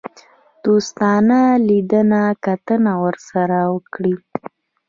دوستانه لیدنه کتنه ورسره وکړي.